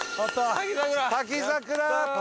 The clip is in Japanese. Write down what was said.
滝桜！